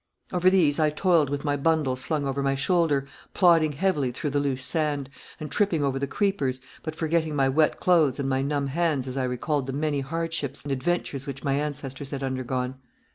Over these I toiled with my bundle slung over my shoulder, plodding heavily through the loose sand, and tripping over the creepers, but forgetting my wet clothes and my numb hands as I recalled the many hardships and adventures which my ancestors had undergone.